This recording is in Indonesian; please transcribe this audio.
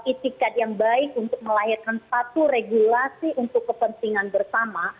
itikat yang baik untuk melahirkan satu regulasi untuk kepentingan bersama